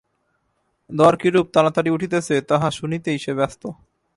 দর কিরূপ তাড়াতাড়ি উঠিতেছে, তাহা শুনিতেই সে ব্যস্ত।